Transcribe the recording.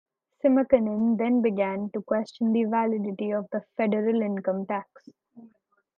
Simkanin then began to question the validity of the federal income tax.